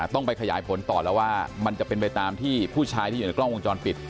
ต้องไปขยายผลต่อแล้วว่ามันจะเป็นไปตามที่ผู้ชายที่อยู่ในกล้องวงจรปิด